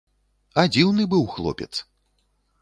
А дзіўны быў хлопец!